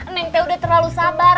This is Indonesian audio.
neng teh udah terlalu sabar